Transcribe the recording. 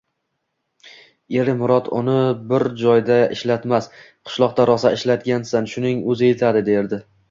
Eri Murod uni biror joyda ishlatmas, Qishloqda rosa ishlagansan, shuning o`zi etadi, derdi